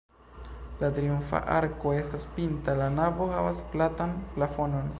La triumfa arko estas pinta, la navo havas platan plafonon.